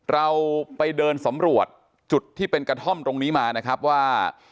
เราไปเดินสำรวจจุดที่เป็นกระท่อมตรงนี้มานะครับว่า